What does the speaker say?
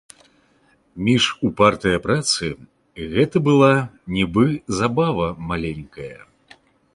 Між упартае працы гэта была нібы забава маленькая.